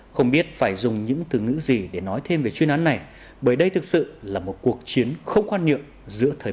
không biết phải dùng những từ ngữ gì để nói thêm về chuyên nạn này bởi đây thực sự là một cuộc chiến không quan niệm giữa thời bình